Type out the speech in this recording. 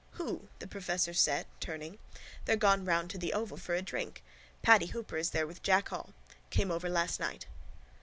—Who? the professor said, turning. They're gone round to the Oval for a drink. Paddy Hooper is there with Jack Hall. Came over last night.